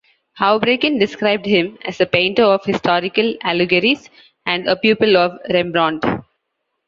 Houbraken described him as a painter of historical allegories and a pupil of Rembrandt.